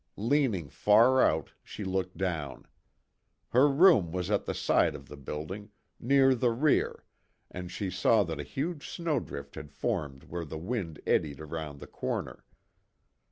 Leaning far out, she looked down. Her room was at the side of the building, near the rear, and she saw that a huge snowdrift had formed where the wind eddied around the corner.